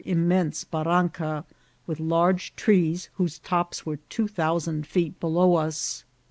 immense barranca, with large trees, whose tops were two thousand feet below us.